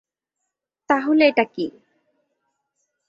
তাহলে কী এটা?